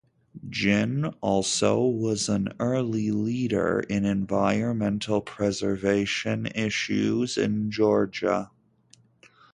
Ginn also was an early leader in environmental preservation issues in Georgia.